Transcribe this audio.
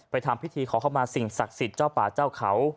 ทำพิธีขอเข้ามาสิ่งศักดิ์สิทธิ์เจ้าป่าเจ้าเขา